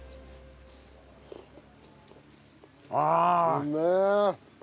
うめえ！